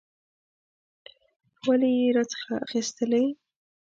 ولي یې راڅخه اخیستلې؟